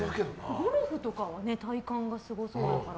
ゴルフとかは体幹がすごそうだから。